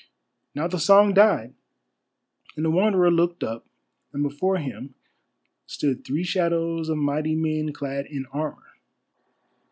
Now the song died, and the Wanderer looked up, and before him stood three shadows of mighty men clad in armour.